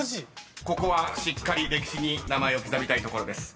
［ここはしっかり歴史に名前を刻みたいところです］